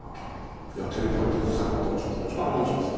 テレビプロデューサーの佐久間と申します。